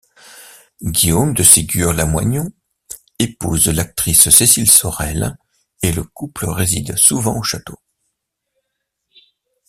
Guillaume de Ségur-Lamoignon épouse l'actrice Cécile Sorel, et le couple réside souvent au château.